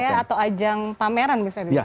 jadi area atau ajang pameran misalnya